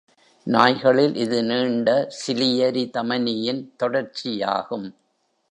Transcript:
நாய்களில், இது நீண்ட சிலியரி தமனியின் தொடர்ச்சியாகும்.